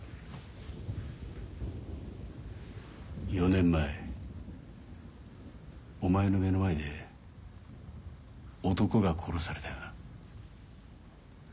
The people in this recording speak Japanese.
４年前お前の目の前で男が殺されたよな？